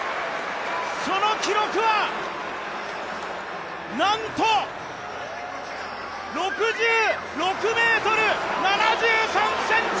その記録はなんと６６ｍ７３ｃｍ！